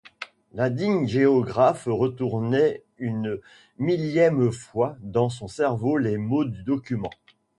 Le digne géographe retournait une millième fois dans son cerveau les mots du document!